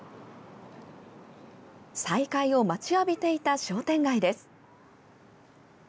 再開を待ちわびていた商店街です。